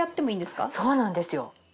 そうなんですよ。